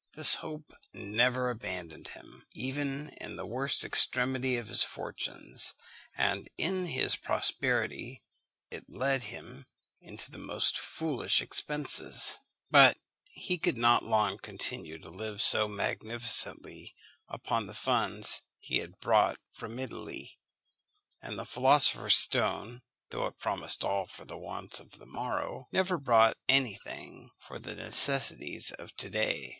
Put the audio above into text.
This hope never abandoned him, even in the worst extremity of his fortunes; and in his prosperity it led him into the most foolish expenses: but he could not long continue to live so magnificently upon the funds he had brought from Italy; and the philosopher's stone, though it promised all for the wants of the morrow, never brought any thing for the necessities of to day.